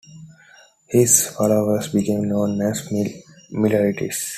His followers became known as Millerites.